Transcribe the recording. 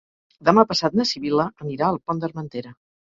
Demà passat na Sibil·la anirà al Pont d'Armentera.